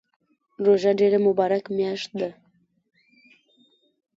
روژه ډیره مبارکه میاشت ده